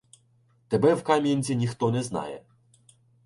Тебе в Кам'янці ніхто не знає.